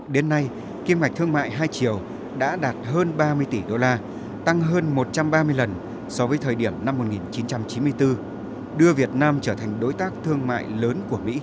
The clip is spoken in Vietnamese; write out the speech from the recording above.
đến nay kim ngạch thương mại hai triệu đã đạt hơn ba mươi tỷ đô la tăng hơn một trăm ba mươi lần so với thời điểm năm một nghìn chín trăm chín mươi bốn đưa việt nam trở thành đối tác thương mại lớn của mỹ